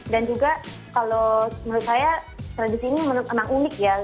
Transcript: dan juga kalau menurut saya tradisi ini memang unik ya